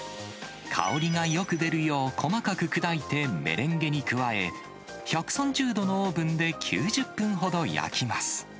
香りがよく出るよう細かく砕いてメレンゲに加え、１３０度のオーブンで９０分ほど焼きます。